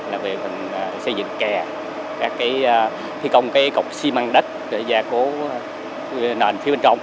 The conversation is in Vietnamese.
là về xây dựng kè các thi công cọc xi măng đất để gia cố nền phía bên trong